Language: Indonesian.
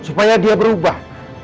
supaya dia berubah